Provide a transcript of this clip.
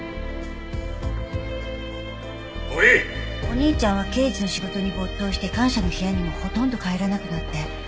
お兄ちゃんは刑事の仕事に没頭して官舎の部屋にもほとんど帰らなくなって。